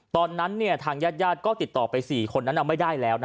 ตอนนั้นทางยาดก็ติดต่อไป๔คนนั้นเอาไม่ได้แล้ว